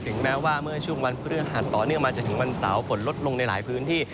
แม้ว่าเมื่อช่วงวันพฤหัสต่อเนื่องมาจนถึงวันเสาร์ฝนลดลงในหลายพื้นที่